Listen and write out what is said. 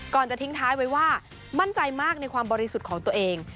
จะทิ้งท้ายไว้ว่ามั่นใจมากในความบริสุทธิ์ของตัวเอง